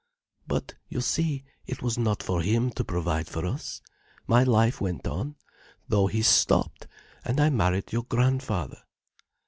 "But you see, it was not for him to provide for us. My life went on, though his stopped, and I married your grandfather.